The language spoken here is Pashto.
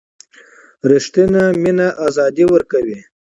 ریښتینې مینه آزادي ورکوي.